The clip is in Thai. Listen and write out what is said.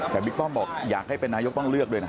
แต่บิ๊กป้อมบอกอยากให้เป็นนายกต้องเลือกด้วยนะ